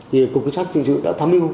thì cục chính sách hình sự đã tham mưu